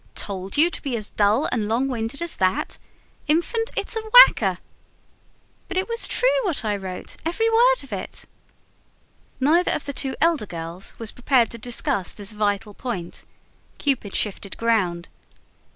"Told you to be as dull and long winded as that? Infant, it's a whacker!" "But it was TRUE what I wrote every word of it." Neither of the two elder girls was prepared to discuss this vital point. Cupid shifted ground.